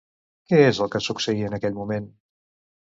Què és el que succeí en aquell moment?